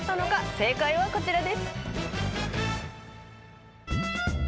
正解はこちらです。